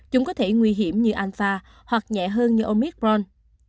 chúng có thể nguy hiểm như alpha hoặc nhẹ hơn như omicron